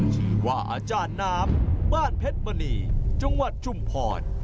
ชื่อว่าอาจารย์น้ำบ้านเพชรมณีจังหวัดชุมพร